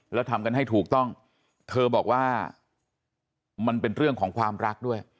แล้วทำกันให้ถูกต้องเธอบอกว่ามันเป็นเรื่องของความรักด้วย